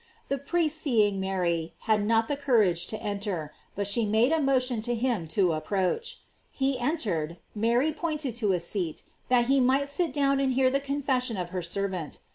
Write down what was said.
The priest seeing Mary, had not the courage to enter, but she made a motion to him to approach. He entered, Mary pointed to a seat, that he might sit down and hear the con fession of her servant.